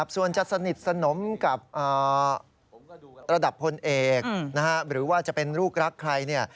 ส่วนจะสนิทสนมกับระดับพลเอกหรือว่าจะเป็นลูกรักใคร